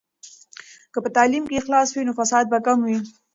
که په تعلیم کې اخلاص وي، نو فساد به کم وي.